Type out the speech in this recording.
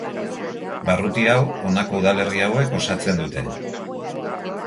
Barruti hau honako udalerri hauek osatzen dute.